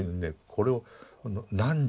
これを「汝」